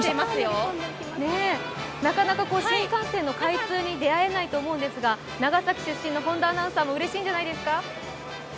なかなか新幹線の開通に出会えないと思うんですが、長崎出身の本田アナウンサーもうれしいんじゃないですか？